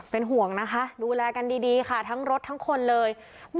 เป็นห่วงนะคะดูแลกันดีค่ะทั้งรถทั้งคนเลย